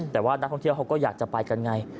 แต่ว่านักท่องเที่ยวเขาก็อยากจะไปกันไง